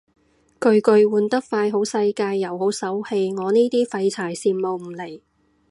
巨巨換得快好世界又好手氣，我呢啲廢柴羨慕唔嚟